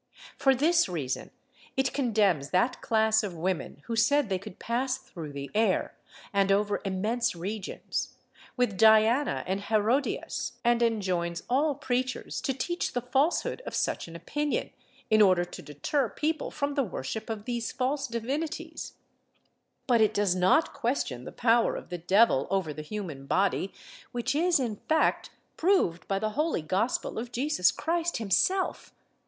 For this reason, it condemns that class of women who said they could pass through the air, and over immense regions, with Diana and Herodias, and enjoins all preachers to teach the falsehood of such an opinion, in order to deter people from the worship of these false divinities; but it does not question the power of the devil over the human body, which is, in fact, proved by the holy Gospel of Jesus Christ himself.